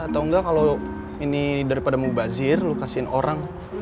atau enggak kalo ini daripada mau bazir lo kasihin orang